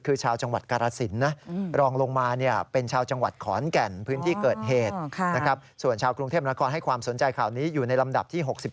คือชาวจังหวัดกรราศิลป์